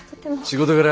仕事柄